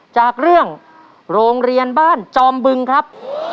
จากเรื่องโรงเรียนบ้านจอมบึงครับ